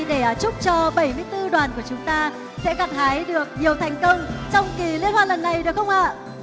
để chúc cho bảy mươi bốn đoàn của chúng ta sẽ gặt hái được nhiều thành công trong kỳ liên hoan lần này được không ạ